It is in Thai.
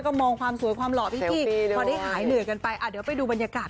ก็มองความสวยหรอของพี่พี่พอได้หายเดือดกันไปเดี๋ยวไปดูบรรยากาศ